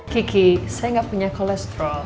kiki saya nggak punya kolesterol